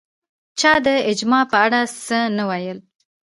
چا د اجماع په اړه څه نه ویل